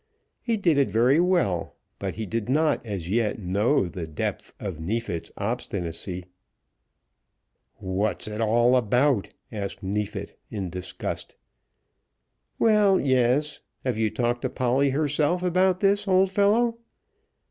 He did it very well, but he did not as yet know the depth of Neefit's obstinacy. "What's it all about?" asked Neefit in disgust. "Well; yes. Have you talked to Polly herself about this, old fellow?"